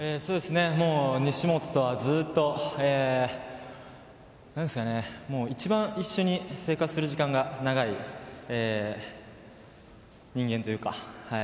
西本とは、ずっと一番一緒に生活する時間が長い人間というか。